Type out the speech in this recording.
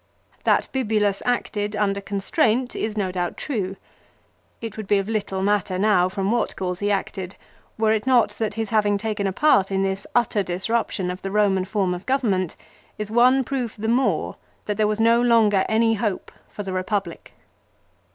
That Bibulus acted under con straint is no doubt true. It would be of little matter now from what cause he acted, were it not that his having taken a part in this utter disruption of the Eoman form of govern ment is one proof the more that there was no longer any hope for the Eepublic.